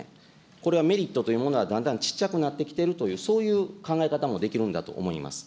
これはメリットというものは、だんだんちっちゃくなってきているという、そういう考え方もできるんだと思います。